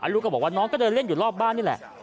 ลูกก็บอกว่าน้องก็เดินเล่นอยู่รอบบ้านนี่แหละ